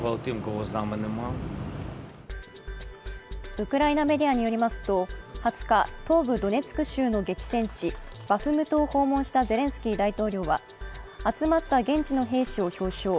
ウクライナメディアによりますと、２０日、東部ドネツク州の激戦地バフムトを訪問したゼレンスキー大統領は集まった現地の兵士を表彰。